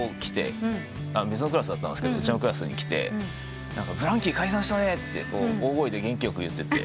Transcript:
別のクラスだったんですけどうちのクラスに来て「ＢＬＡＮＫＥＹ解散したね」って大声で元気よく言ってて。